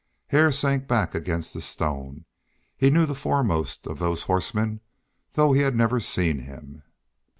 Hare sank back against the stone. He knew the foremost of those horsemen though he had never seen him.